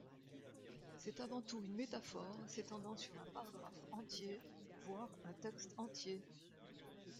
C'est avant tout une métaphore s'étendant sur un paragraphe entier, voire un texte entier.